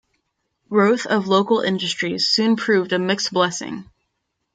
Growth of local industries soon proved a mixed blessing.